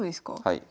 はい。